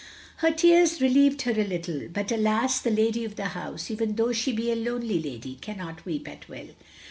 " Her tears relieved her a little; but alas, the lady of the house, even though she be a lonely lady, cannot weep at will.